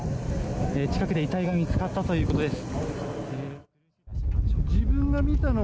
近くで遺体が見つかったということです。